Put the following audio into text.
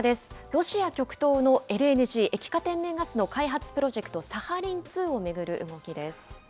ロシア極東のＬＮＧ・液化天然ガスの開発プロジェクト、サハリン２を巡る動きです。